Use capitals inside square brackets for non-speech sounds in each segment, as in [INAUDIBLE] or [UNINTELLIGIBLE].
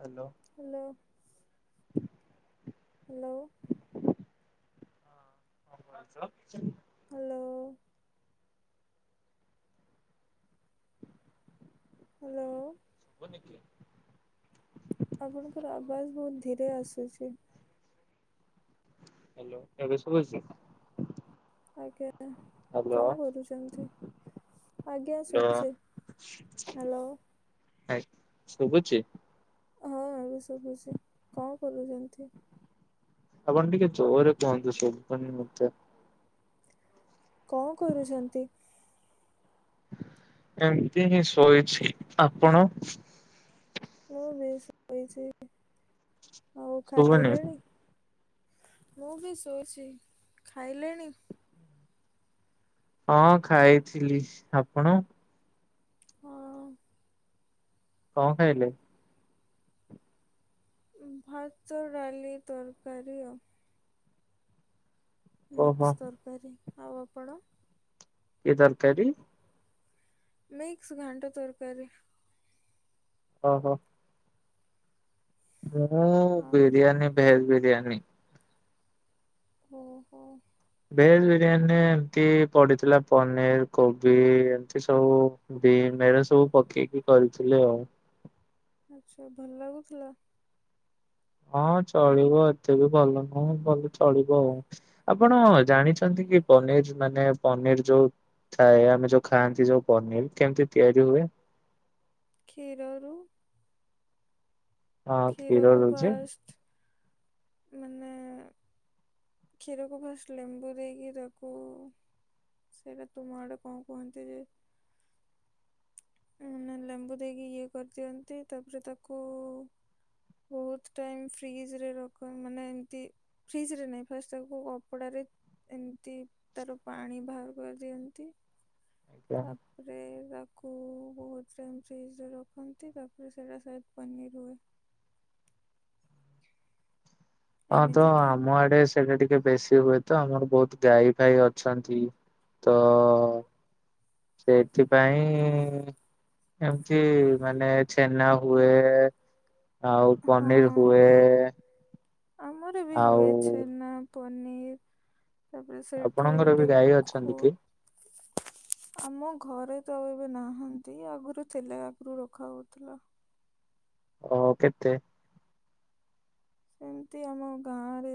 Hello. Hello. Hello. [UNINTELLIGIBLE] Hello. Hello. ହଉନିକି। ଆପଣଙ୍କର ଆବାଜ୍ ବହୁତ ଧୀରେ ଆସୁଛି। ହ୍ୟାଲୋ ଏବେ ଶୁଭୁଛି। ଆଜ୍ଞା ହ୍ୟାଲୋ କଣ କରୁଛନ୍ତି ଆଜ୍ଞା ଶୁଭୁଛି। ହ୍ୟାଲୋ। ଆ ଶୁଭୁଚି ହଁ ଆଉ ରୋଷେଇ ଫୋସେଇ କଣ କରିବୁ ସେମିତି ଆଉ। ଆପଣ ଟିକେ ଜୋରେ କୁହନ୍ତୁ ଶୁଭୁନି ମତେ। କଣ କରୁଚନ୍ତି। ଏମତି ହିଁ ଶୋଇଚି ଆପଣ। ମୁଁ ବି ଶୋଇଚି ଆଉ ଶୁଭୁନି ଖାଇଲେଣି। ମୁଁ ବି ଶୋଇଚି ଖାଇଲେଣି। ହଁ ଖାଇଥିଲି ଆପଣ। ହଁ। କଣ ଖାଇଲେ। ଉ ଭାତ ଡାଲି ତରକାରୀ ଆଉ। ଓହୋ ମିକ୍ସ ତରକାରୀ ଆଉ ଆପଣ। ଏ ତରକାରୀ ମିକ୍ସ ଘାଣ୍ଟ ତରକାରୀ। ଓହୋ। ମୁଁ ଆଉ ବିରିୟାନୀ ଭେଜ ବିରିୟାନୀ। ଅ ହୋ। ଭେଜ ବିରିୟାନୀ ଏମତି ପଡିଥିଲା ପନିର କୋବି ଏମିତି ସବୁ ବିନ୍ ହେରା ସବୁ ପକେଇକି କରିଥିଲି ଆଉ। ଆଚ୍ଛା ଭଲ ଲାଗୁଥିଲା। ହଁ ଚଳିବ ଏତେ ବି ଭଲ ନୁହେଁ ଭଲ ଚଳିବ ଆଉ। ଆପଣ ଜାଣିଚନ୍ତି କି ପନିର ମାନେ ପନିର ଯୋଉ ଥାଏ ଆମେ ଯୋଉ ଖାଆନ୍ତି ଯୋଉ ପନିର କେମିତି ତିଆରି ହୁଏ। କ୍ଷୀରରୁ। ହଁ କ୍ଷୀର କ୍ଷୀରକୁ ଦଉଛି। ଫାଷ୍ଟ ମାନେ କ୍ଷୀରକୁ ଫାଷ୍ଟ ଲେମ୍ବୁ ଦେଇକି ତାକୁ ସେଇଟା ତୁମ ଆଡ଼େ କଣ କୁହନ୍ତି ଯେ ଉ ନା ଲେମ୍ବୁ ଦେଇକି ଇଏ କରିଦିଅନ୍ତି ତାପରେ ତାକୁ ବହୁତ ଟାଇମ ଫ୍ରିଜ ରେ ରଖ ମାନେ ଏମତି ଫ୍ରିଜ ରେ ନାଇଁ ଫାଷ୍ଟ ତାକୁ କପଡାରେ ଏମିତି ତାର ପାଣି ବାହାର କରିଦିଅନ୍ତି ଆଜ୍ଞା ତାପ ପରେ ତାକୁ ବହୁତ ଟାଇମ୍ ଫ୍ରିଜରେ ରଖନ୍ତି ତାକୁ ସେଇଟା ସାୟର ପନିର୍ ହୁଏ। ହଁ ତ ଆମ ଆଡେ ସେ ଇଟା ଟିକେ ବେଶୀ ହୁଏ ତ ଆମର ବହୁତ ଗାଈ ଫାଇ ଅଛନ୍ତି ତ ସେଥିପାଇଁ ଏମିତି ମାନେ ଛେନା ହୁଏ ଆଉ ହଁ ପନିର ହୁଏ। ଆମର ବି ଆଉ ହୁଏ ଛେନା ପନିର। ତାପରେ ସେଇଠୁୁ ଆପଣଙ୍କର ବି ଟି ଗାଈ ଖୁ ଅଛନ୍ତି କି? ଆମ ଘରେ ତଏବେ ନାହାନ୍ତି ଆଗରୁ ଥିଲା ଆଗରୁ ରଖା ହଉଥିଲା। ଓ କେତେ ଏମିତି ଆମ ଗାଁରେ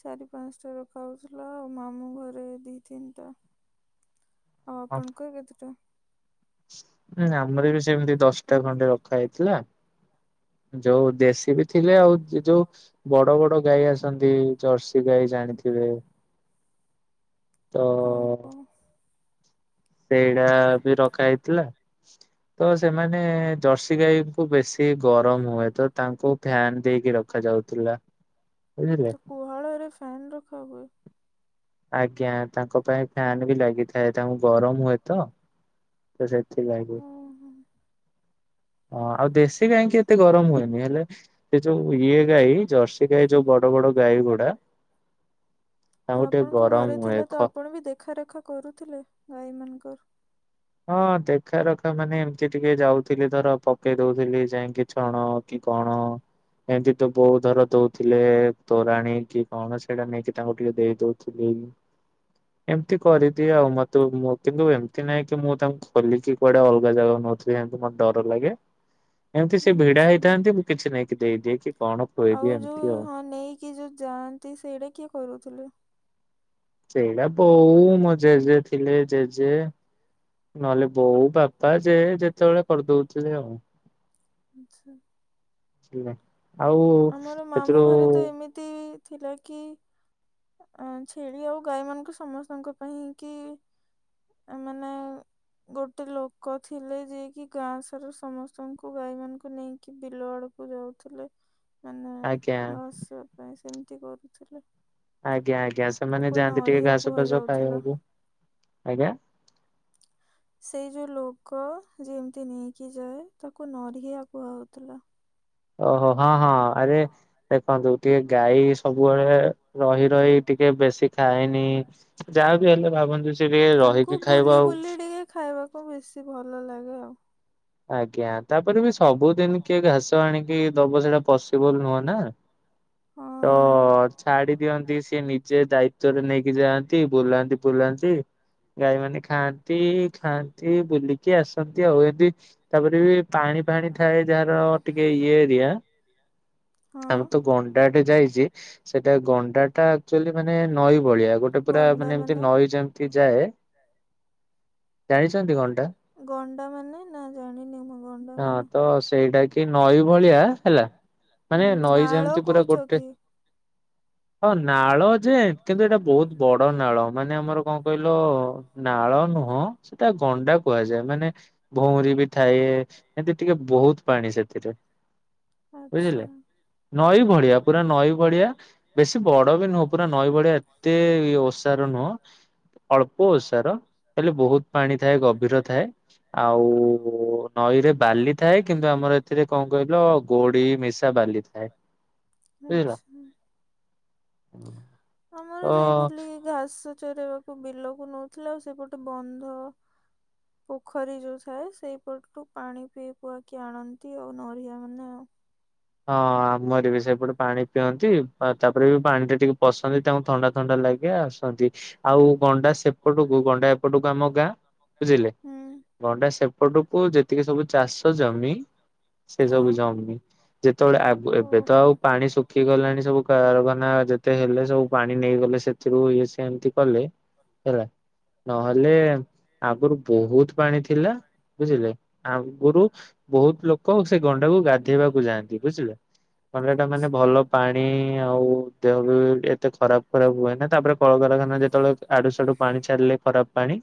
ଚାରି ପାଞ୍ଚଟା ରଖାଉଥିଲା ଆଉ ମାମୁ ଘରେ ଦି ତିନିଟା ଆଉ ଆପଣଙ୍କ କେତଟା ଉଁ ଆମର ବି ସେମିତି ଦଶଟା ଖଣ୍ଡେ ରଖା ହେଇଥିଲା। ଯୋଉ ଦେଶୀ ବି ଥିଲେ ଆଉ ଅ ଯୋଉ ବଡ ବଡ ଗାଈ ଆସନ୍ତି ଜର୍ସି ସି ଗାଈ ଜାଣିଥିବେ ତ ଓହୋ ସେଇଟା ବି ରଖା ହେଇଥିଲା ତ ସେମାନେ ଜର୍ସି ଗାଈଙ୍କୁ ବେଶୀ ଏ ଗରମ ହୁଏ ତ ତାଙ୍କୁ ଫ୍ୟାନ ଦେଇକି ରଖାଯାଉଥିଲା ବୁଝିଲେ ତ ଗୁହାଳରେ ଫ୍ୟାନ୍ ରଖା ହୁଏ। ଆଜ୍ଞା ତାଙ୍କ ପାଇଁ ଫ୍ୟାନ ବି ଲାଗିଥାଏ ତାଙ୍କୁ ଗରମ ହୁଏ ତ। ତ ସେଥିଲାଗି। ଓ ହୋ ହଁ ଆଉ ଦେଶୀ ଗାଈ ଙ୍କି ଏତେ ଗରମ ହୁଏନି ହେଲେ। ସେ ଯୋଉ ଇଏ ଗାଈ ଜର୍ସି ଗାଈ ଯୋଉ ବଡ ବଡ ଗାଈ ଗୁଡା। ତାଙ୍କୁ ତ ଟିକେ ଆପଣଙ୍କ ଗରମ ଘରେ ହୁଏ ଥିଲା ଖ ତ ଆପଣ ବି ଦେଖାରେଖା କରୁଥିଲେ ଗାଈ ମାନଙ୍କର। ହଁ ଦେଖା ରଖା ମାନେ ଏମିତି ଟିକେ ଯାଉଥିଲି ଧର ପକେଇ ଦଉଥିଲି ଯାଇକି ଛଣ। କି କଣ। ଏମିତି ତ ବୋଉ ଧର ଦଉଥିଲେ ତୋରାଣୀ କି କଣ ସେଇଟା ନେଇକି ତାଙ୍କୁ ଟିକେ ଦେଇ ଦଉଥିଲି। ଏମିତି କରିଦିଏ ଆଉ ମତେ ମୋ କିନ୍ତୁ ଏମିତି ନାଇ। କି ମୁଁ ତାଙ୍କୁ ଖୋଲିକି କୁଆଡେ ଅଲଗା ଜାଗାକୁ ନଉଥିଲି ଏମିତି ମତେ ଡର ଲାଗେ। ଏମିତି ସେ ଭିଡା ଆଚ୍ଛା। ହେଇଥାନ୍ତି ମୁଁ କିଛି ନେଇକି ଦେଇଦିଏ କି କଣ ଖୋଏଇଦିଏ ଏମିତି ଆଉ। କି ଯୋଉ ଯାଆନ୍ତି ସେଇଟା କିଏ କରୁଥିଲେ? ସେଇଟା ବୋଉ ମୋ ଜେଜେ ଥିଲେ ଜେଜେ। ନହେଲେ ବୋଉ ବାପା ଯେ ଯେତେବେଳେ କରିଦଉଥିଲେ ଆଉ। ଆଚ୍ଛା। ଥିଲା ଆଉ ସେଥିରୁ। ତି ଥିଲା କି। ଅ ଛେଳି ଆଉ ଗାଈ ମାନଙ୍କୁ ସମସ୍ତଙ୍କ ପାଇଁ କି। ଆ ମାନେ। ଗୋଟେ ଲୋକ ଥିଲେ ଯିଏ କି ଗାଁ ସାରା ସମସ୍ତଙ୍କୁ ଗାଈ ମାନଙ୍କୁ ନେଇକି ବିଲ ଆଡ କୁ ଯାଉଥିଲେ ମାନେ ଆଜ୍ଞା ଘସିବା ପାଇଁ ସେମିତି କରୁଥିଲେ। ଆଜ୍ଞା ଆଜ୍ଞା ସେମାନେ ତାକୁ ଯାଆନ୍ତି ଟିକେ ନରିଆ ଘାସ ଫାସ କୁହାଯାଉଥିଲା। ଖାଇବାକୁ ଆଜ୍ଞା। ସେଇ ଯୋଉ ଲୋକ ଯେମିତି ନେଇକି ଯାଏ ତାକୁ ନରିଆ କୁୁହା ହଉଥିଲା। ଓହୋ ହଁ ହଁ ଆରେ ଦେଖନ୍ତୁ। ଟିକେ ଗାଈ ସବୁବେଳେ ରହି ରହି ଟିକେ ବେଶୀ ଖାଏ ନି ଯାହା ବି ହେଲେ ଭାବନ୍ତୁ ସେ ଟିକେ ରହିକି ଖାଇବ ଆଉ। ଇଏ ଖାଇବ। କୁ ବେଶୀ ଭଲ ଲାଗେ ଆଉ। ଆଜ୍ଞା ତାପରେ ବି ସବୁଦିନ କିଏ ଘାସ ଆଣିକି ଦବ ସେଇଟା ପସିବଲ ନୁହଁ ନା। ହଁ। ତ ଛାଡି ଦିଅନ୍ତି ସିଏ ନିଜେ ଦାୟିତ୍ଵରେ ନେଇକି ଯାଆନ୍ତି ବୁଲାନ୍ତି ବୁଲାନ୍ତି। ଗାଈମାନେ ଖାଆନ୍ତି ଖାଆନ୍ତି ବୁଲିକି ଆସନ୍ତି ଆଉ ଏମିତି। ତାପରେ ବି ପାଣି ଫାଣି ଥାଏ ଯାହାର ଟିକେ ଇଏ ଏରିଆ। ହଁ। ଆମର ତ ଗଣ୍ଡାଟେ ଯାଇଛି। ସେଇଟା ଗଣ୍ଡା ଟା ଆକ୍ଚୁଆଲି ମାନେ ନଈ ଭଳିଆ ଗୋଟେ ପୁରା ମାନେ ଏମିତି ନଈ ଯେମ ସିଏ ଯାଏ। ଯାଇଛନ୍ତି ଗଣ୍ଡା? ଗଣ୍ଡା ମାନେ ନା ଜାଣିନି ମୁଁ। ଗଣ୍ଡା ହଁ ମାନେ ତ ସେଇଟା କି ନଈ ଭଳିଆ ହେଲା ହୁଁ ମାନେ ନଈ ନାଳ ଯେମିତି ପୁରା କହୁଛ ଗୋଟେ। କି? ହଁ ନାଳ ଯେ କିନ୍ତୁ ଏଇଟା ବହୁତ। ବଡ ନାଳ ମାନେ ଆମର କଣ କହିଲ ନାଳ ନୁହଁ। ସେଟା ଗଣ୍ଡା କୁହାଯାଏ ମାନେ ଭଉଁରୀ ବି ଥାଏ ଏମିତି ଟିକେ ବହୁତ ପାଣି ସେ ଥିରେ। ଆଚ୍ଛା। ନଈ ଭଳିଆ ପୁରା ନଈ ଭଳିଆ ବେଶୀ ବଡ ବି ନୁହଁ ପୁରା ନଈ ଭଳିଆ ଏତେ ଇଏ ଓ [INAUDIBLE] ସାର, ହେଲେ ବହୁତ୍ ପାଣି ଥାଏ ଗଭୀର ଥାଏ। ଆଉ ନଈରେ ବାଲି ଥାଏ, କିନ୍ତୁ ଆମର ଏଥିରେ କ'ଣ କହିଲ? ଗୋଡ଼ି ମିଶା ବାଲି ଥାଏ। [INAUDIBLE] ହୁଁ ଆମର ସେଇ ପଲି ଘାସ ଚରେବାକୁ ବିଲକୁ ନଉଥିଲା। ଆଉ ସେପଟେ ବନ୍ଧ ପୋଖରୀ ଯଉ ଥାଏ ସେଇ ପଟୁ ପାଣି ପିଇ ପୁଆକି ଆଣନ୍ତି ଆଉ। ନ---ଆ ମାନେ ଆ ହଁ ଆମର ବି ସେପଟେ ପାଣି ପିଅନ୍ତି, ତା'ପରେ ବି ପାଣି ଟା ଟିକେ ପସନ୍ତି। ତାଙ୍କୁ ଥଣ୍ଡା ଥଣ୍ଡା ଲାଗେ ଆସନ୍ତି। ଆଉ ଗଣ୍ଡା ସେପଟକୁ, ଗଣ୍ଡା ଏପଟକୁ ଆମ ଗାଁ ଝିଲେ। ହୁଁ ଗଣ୍ଡା ସେପଟକୁ ଯେତିକି ସବୁ ଚାଷ ଜମି, ସେ ସବୁ ହଁ ଜମି। ଯେତବଳେ ଏବେ ତ ଓହୋ। ଆଉ ପାଣି ଶୁଖି ଗଲାଣି ସବୁ। ରଖାନା ଯେତେ ହେଲେ ସବୁ ପାଣି ନେଇଗଲେ, ସେଥିରୁ ଇଏ ଏମ୍ତି କଲେ ହେଲା। ନହେଲେ ଆଗରୁ ବହୁତ ପାଣି ଥିଲା ବୁଝିଲେ। ଆଗୁରୁ ବହୁତ୍ ଲୋକ ସେ ଗଣ୍ଡାକୁ ଗାଧେଇବାକୁ ଯାଆ ଗଣ୍ଡାଟା ମାନେ ଆଚ୍ଛା। ଭଲ ପାଣି, ଆଉ ଦେହ ବି ଏତେ ଖରାପ୍ ଖରାପ୍ ହୁଏନା, ତା'ପରେ କଳକାରଖାନା ଯେତବଳେ ଆଡୁ ସାଡୁ ପାଣି ଛାଡ୍‌ଲେ ଖରାପ୍ ପାଣି।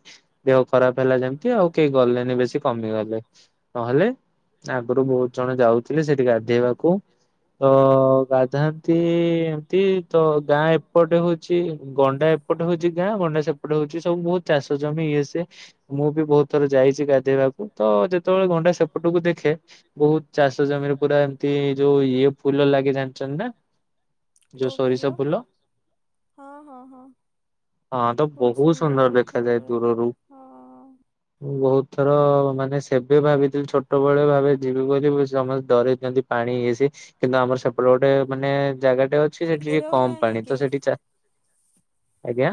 ଦେହ ଖରାପ୍ ହେଲା ଯେମ୍ତି, ଆଉ କେହି ଗଲେନି ବେଶୀ କମିଗଲେ। ନହେଲେ ଆଗୁରୁ ବହୁତ୍ ଜଣ ଯାଉଥିଲେ, ସେଠି ଗାଧେଇ ବାକୁ। ତ ଗାଧାନ୍ତି ଏମ୍ତି, ତ ଗାଁ ଏପଟେ ହଉଚି ଗଣ୍ଡା ପଟେ ହଉଚି ଗାଁ ଗଣ୍ଡା, ସେପଟ ହଉଚି ସବୁ ବହୁତ୍ ଚାଷ ଜମି, ଇଏ ସିଏ। ମୁଁ ବି ବହୁ ଥରେ ଯାଇଚି ଗାଧେଇବାକୁ, ତ ଯେତବଳେ ଗଣ୍ଡା ସେପଟକୁ ଦେଖେ। ବହୁତ୍ ଚାଷ ଜମିରେ ପୁରା ଯଉ ଇଏ ଫୁଲ ଲାଗି ଜାଣିଚନ୍ତି ନା? ଯଉ କୋଉଫୁଲ ସୋରିଷ ଫୁଲ। ହଁ ହଁ ହଁ। ହଁ, ତ ବହୁତ୍ ସୁନ୍ଦର ଦେଖାଯାଏ। ଦୂରରୁ ହଁ। ମୁଁ ବହୁତ୍ ଥର ମାନେ ଭାବିଥିଲି। ଛୋ ଛୋଟ ବଳେ ଭାବେ ଯିବି ବୋଲି, ସମସ୍ତେ ଡ଼ରେଇ ଦିଅନ୍ତି ପାଣି, ଇଏ ସିଏ। କିନ୍ତୁ ଆମର ସେପଟେ ଗୋଟେ ମାନେ ଜାଗାଟେ ଅଛି, ସେଠି ଟିକେ ଏବେ ଆଉ କମ୍ ନାହିଁ ପାଣି। କି? ତ ସେଠି ଚା ଆଜ୍ଞା,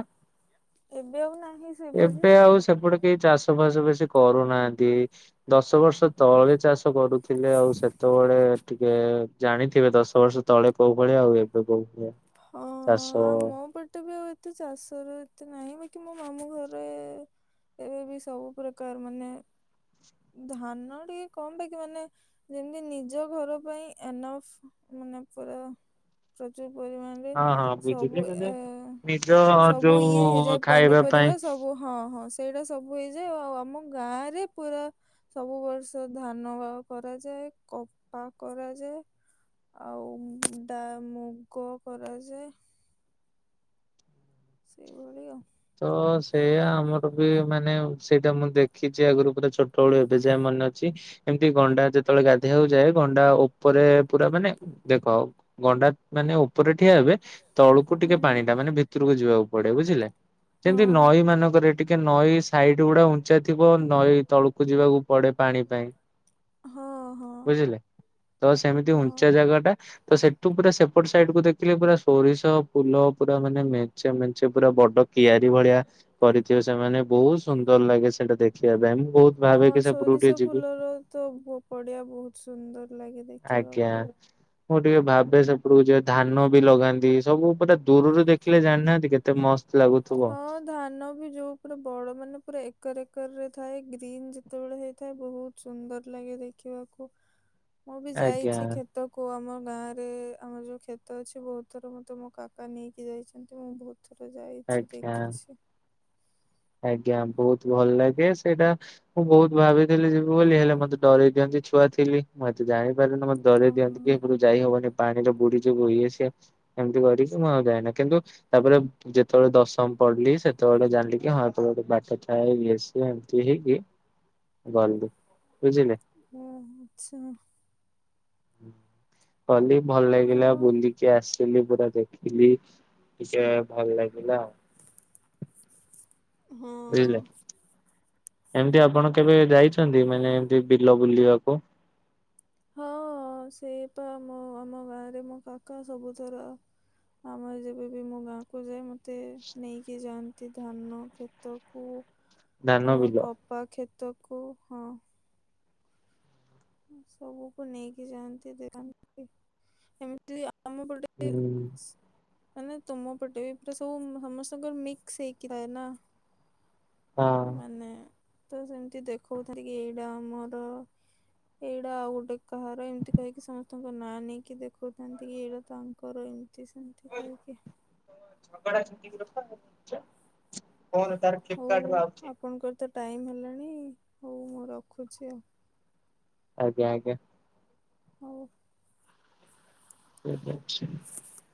ଏବେ ଆଉ ନାହିଁ ସେଭଳି ଏବେ ଆଉ ସେପ ଚାଷ ବାସ ବେଶୀ କରୁ ନାହାନ୍ତି। ଦଶ ବର୍ଷ ତଳେ ଚା କରୁଥିଲେ, ଆଉ ସେତବଳେ ଟିକେ ଜାଣିଥିବେ ଦଶ ବର୍ଷ ତଳେ କଉ ଭଳିଆ। ଆଉ ଏ କ କହୁଥିଲା [INAUDIBLE] ଚାଷର ଏତେ ନାହିଁ, ବାକି ମୋ ମାମୁଁ ଘରେ ଏବେ ବି ସବୁ ପ୍ରକାର୍ ମାନେ ଧାନ ଟିକେ କମ୍, ବାକି ମାନେ [INAUDIBLE] ହଁ ହଁ ସବୁ ବୁଝିଲି ମାନେ ନିଜ ସବୁ ଇଏ ହେଇଯାଏ, ଯୋଉ ଖାଇବା ପାଇଁ ପନିପରିବା ସବୁ ହଁ ହଁ, ସେଇଟା ସବୁ ହେଇଯାଏ। ଆଉ ଆମ ଗାଁରେ ପୁରା ସବୁ ବର୍ଷ ଧାନ କରାଯାଏ, କପା କରାଯାଏ। ଆଉ ଦା ମୁଗ କରାଯାଏ। ସେଇ ଭଳି ଆଉ। ତ ସେଇଆ ଆମର୍ ବି ମାନେ ସେଇଟା ମୁଁ ଦେଖିଚି। ଆଗୁରୁ ପୁରା ଛୋ ବେଳୁ ଏବେ ଯାଏ ମନେ ଅଛି। ଗଣ୍ଡା ଯେତବଳେ ଗାଧେଆକୁ ଯାଏ, ଗଣ୍ଡା ଓପରେ ପୁରା ମାନେ ଦେଖ। ଗଣ୍ଡା ମାନେ ଉପରେ ଠିଆ ହେବେ, ତଳୁକୁ ଟିକେ ହୁଁ ପାଣି ଟା ମାନେ ଭିତରକୁ ଯିବାକୁ ପଡ଼େ ବୁଝିଲେ। ହଁ ଯେନ୍ତି ନଈ ମାନଙ୍କରେ ଟିକେ ନଈ ସାଇଟି ଗୁଡା ଉଞ୍ଚା ଥିବ, ନଈ ତଳୁକୁ ଯିବାକୁ ପଡ଼େ ପାଣି ପାଇଁ ହଁ ହଁ ବୁଝିଲେ, ତ ସେମିତି ହଁ ଉଞ୍ଚା ଜାଗା ଟା। ତ ସେଠୁ ପୁରା ସେପଟ ସାଇଟ୍ କୁ ଦେଖିଲେ, ପୁରା ସୋରିଷ ଫୁଲ ପୁରା ମାନେ ମେଞ୍ଚେ ମେଞ୍ଚେ ପୁରା ବଡ଼ କିିଆରି ଭଳିଆ କରିଥିବେ, ସେମାନେ ବହୁତ୍ ସୁନ୍ଦର୍ ଲାଗେ। ସେଟା ଦେଖିବା ପାଇଁ, ମୁଁ ବହୁତ୍ ଭାବେ କିି ସେପଟୁକୁ ଟିକେ ଯିବି। ତୋ ତ ବୋ ପଡିଆ ବହୁତ ସୁନ୍ଦର ଲାଗିଥା ଆଜ୍ଞା। ମୁଁ ଟିକେ ଭାବେ ସେପଟକୁ ଯ ଧାନ ବି ଲଗାନ୍ତି। ସବୁ ପୁରା ଦୂରରୁ ଦେଖିଲେ ଜାଣିନାହାନ୍ତି କେତେ ଏତେ ମସ୍ତ ଲାଗୁଥିବ। ହଁ ଧାନ ବି ଯୋଉ ପୁରା ବଡ ମାନେ ପୁରା ଏକର ଏକର ରେ ଥାଏ ଗ୍ରୀନ ଯେତେବେଳେ ହେଇଥାଏ ବହୁତ ସୁନ୍ଦର ଲାଗେ ଦେଖିବାକୁ ମୁଁ ବି ଯାଇଛି ଆଜ୍ଞା କେ କ୍ଷେତକୁ ଆମ ଗାଁ ରେ ଆମର ଯୋଉ କ୍ଷେତ ଅଛି ବହୁତ ଥର ମେ ମୋ କାକା ନେଇକି ଯାଇଛନ୍ତି। ମୁଁ ବହୁତ ଥର ଯାଇଛି ଆଜ୍ଞା। ଦେଖିଛି। ଆଜ୍ଞା ବହୁତ ଭଲ ଲାଗେ ସେଇଟା ମୁଁ ବହୁତ ଭାବିଥିଲି ଯିବି ବୋଲି ହେଲେ ମତେ ଡରଇ ଦିଅନ୍ତି। ଛୁଆଥିଲି ମୁଁ ଏତେ ଜାଣିପାରିନି ମତେ ଡରେଇ ଦିଅନ୍ତି ହଁ କି ଯାଇ ହବନି ପାଣିର ବୁଡି ଯିବୁ ଇଏ ସେ। ଏମିତି କରିକି ମୁଁ ଆଉ ଯାଏନା କିନ୍ତୁ ତାପରେ ଯେତେବେଳେ ଦଶମ ପଢିଲି ସେତେବେଳେ ଜାଣିଲି। ଆଜ୍ଞ ହଁ ତୋମେ ଗୋଟେ ବାଟ ଥାଏ ଇଏ ସ ଏମତି ହେଇକି ଗଲି ବୁଝିଲେ। ଉଁ ଆଚ୍ଛା। କଲି ଭଲ ଲାଗିଲା ଆଉ ବୁଲିକି ଆସ ତିନି ପୁରା ଦେଖିଲି ଟିକେ ଭଲ ଲାଗିଲା ଆଉ। ହଁ। ବୁଝିଲେ। ଏମିତି ଆପଣ କେବେ ଯାଇଛନ୍ତି ମାନେ ଏମତି ବିଲ ବୁଲିବାକୁ? ହଁ ସେଇପଁ ଆମ ଗାଁରେ ମୋ କାକା ସବୁଥର ଆମର ଯେବେ ବି ମୁଁ ଗାଁକୁ ଯାଏ ମତେ ନେଇକି ଯାଆନ୍ତି। ଧାନ କ୍ଷେ ତକୁ ଧାନ ବିଲ। ବା କ୍ଷେତକୁ ହଁ। ସବୁକୁ ନେଇକି ଯାଆନ୍ତି ଦେନ୍ତି ଏମିତି ଆମ ପଟେ ଏ ହୁଁ। ସେ ମାନେ ତମ ପଟେ ବି ପୁରା ସବୁ ସମସ୍ତଙ୍କର ମିକ୍ସ ହେଇକି ଥାଏ ନା। ହଁ। ମାନେ ତ ସେମିତି ଦେଖଉଥିଲ କି ଏଇଟା ଆମର। ଏଇଟା ଆଉ ଗୋଟେ କାହାର ଏମିତି କହିକି ସମସ୍ତେ ତାଙ୍କ ନାଁ ନେଇକି ଦେଖୁଥାନ୍ତି କି ଏଇଟା ତାଙ୍କର ଏମିତି ସେମିତି କହିକି ଝଗଡ଼ା ର ତାର ହଉ ରୁ ଆଉଛି। ଆପଣଙ୍କର ତ ଟାଇମ୍ ହେଲାଣି ହଉ ମୁଁ ରଖୁଛି ଆଉ। ଆଜ୍ଞା ଆଜ୍ଞା। ହଉ। କଣ କରୁଚ? [INAUDIBLE]